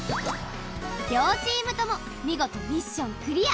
両チームとも見事ミッションクリア！